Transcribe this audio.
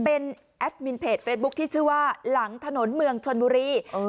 เป็นแอดมินเพจเฟซบุ๊คที่ชื่อว่าหลังถนนเมืองชนบุรี